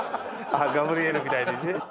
ガブリエルみたいにね。